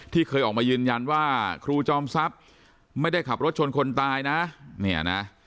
เคยออกมายืนยันว่าครูจอมทรัพย์ไม่ได้ขับรถชนคนตายนะเนี่ยนะ